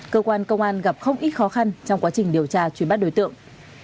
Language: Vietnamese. cơ quan công an gặp không ít khó khăn trong quá trình điều tra truy bắt đối tượng